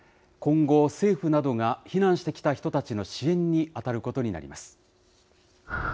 今後、政府などが避難してきた人たちの支援に当たることになります。